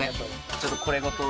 ちょっとこれごと。